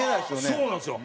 そうなんですよ。